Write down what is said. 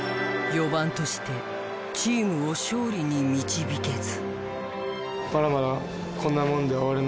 ４番としてチームを勝利に導けず。